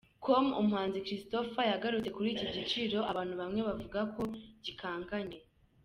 com, umuhanzi Christopher yagarutse kuri iki giciro abantu bamwe bavuga ko gikanganye.